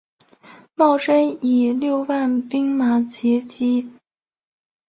茂贞以六万兵马截击。